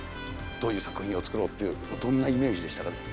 どういう作品を作ろうっていう、どんなイメージでしたか？